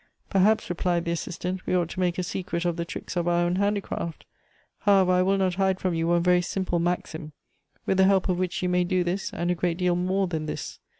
" Perhaps," replied the Assistant, " we ought to make a secret of the tricks of our own handicraft. However, I will not hide from you one very simple maxim, with the 216 Goethe's help of which you may do this, and a great deal more than this.